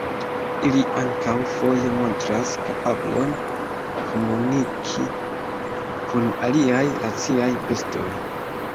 Ili ankaŭ foje montras kapablon komuniki kun aliaj raciaj bestoj.